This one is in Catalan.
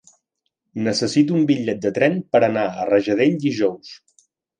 Necessito un bitllet de tren per anar a Rajadell dijous.